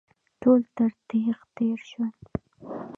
ټول تر تېغ تېر شول.